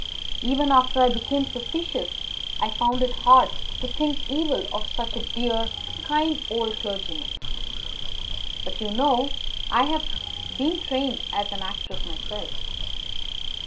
Even after I became suspicious, I found it hard to think evil of such a dear, kind old clergyman. But, you know, I have been trained as an actress myself.